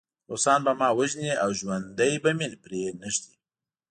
روسان به ما وژني او ژوندی به مې پرېنږدي